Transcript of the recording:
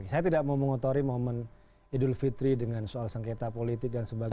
saya tidak mau mengotori momen idul fitri dengan soal sengketa politik dan sebagainya